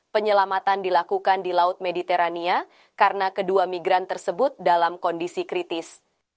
penyelamatan dilakukan di laut mediterania karena kedua migran tersebut dalam kondisi kritis